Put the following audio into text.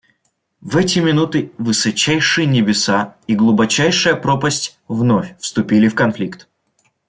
В эти минуты высочайшие небеса и глубочайшая пропасть вновь вступили в конфликт.